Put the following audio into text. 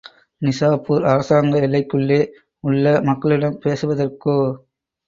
நிசாப்பூர் அரசாங்க எல்லைக்குள்ளே உள்ள மக்களிடம் பேசுவதற்கோ.